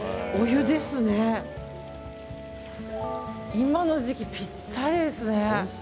今の時期、ぴったりですね。